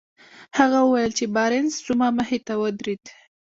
هغه وويل چې بارنس زما مخې ته ودرېد.